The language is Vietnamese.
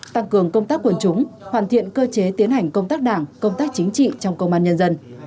tăng cường công tác quần chúng hoàn thiện cơ chế tiến hành công tác đảng công tác chính trị trong công an nhân dân